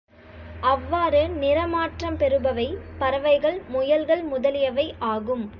அவ்வாறு நிற மாற்றம் பெறுபவை பறவைகள், முயல்கள் முதலியவை ஆகும்.